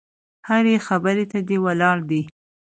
هرې خبرې ته دې ولاړ دي.